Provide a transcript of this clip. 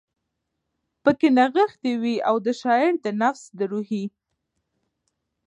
پکښې نغښتی وی، او د شاعر د نفس د روحي